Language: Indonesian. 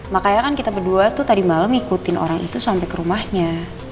makanya kan kita berdua tuh tadi malam ngikutin orang itu sampai ke rumahnya